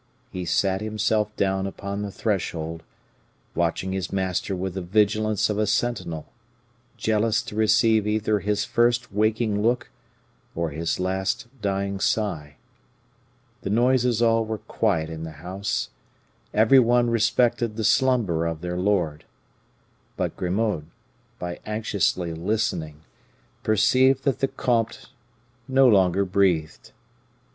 He sat himself down upon the threshold, watching his master with the vigilance of a sentinel, jealous to receive either his first waking look or his last dying sigh. The noises all were quiet in the house every one respected the slumber of their lord. But Grimaud, by anxiously listening, perceived that the comte no longer breathed.